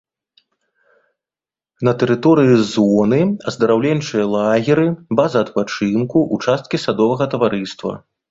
На тэрыторыі зоны аздараўленчыя лагеры, база адпачынку, участкі садовага таварыства.